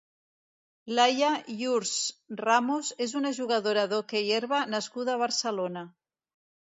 Laia Yurss Ramos és una jugadora d'hoquei herba nascuda a Barcelona.